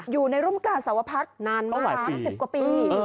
อยู่ในรุ่มกาสวพัฒน์นานมา๓๐กว่าปี